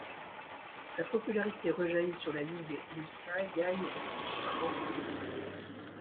Sa popularité rejaillit sur la ligue et le Sky gagne de plus par rencontre.